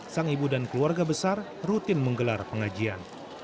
sang ibu dan keluarga besar rutin menggelar pengajian